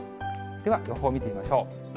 では予報を見てみましょう。